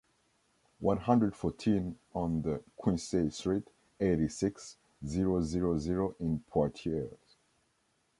one hundred fourteen on de Quinçay street, eighty-six, zero zero zero in Poitiers